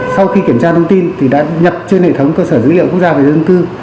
sau khi kiểm tra thông tin thì đã nhập trên hệ thống cơ sở dữ liệu quốc gia về dân cư